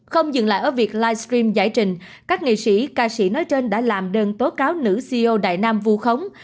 không dừng lại ở việc livestream giải trình các nghệ sĩ ca sĩ nói trên đã làm đơn tố cáo nữ co đại nam vu khống